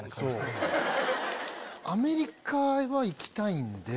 アメリカは行きたいんで。